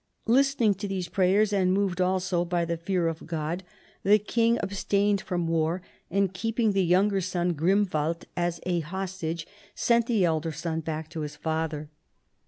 Listen ing to these prayers, and moved also by the fear of God, the king abstained from war ; and keeping the younger son Grimwald as a hostage, sent the elder son back to his father.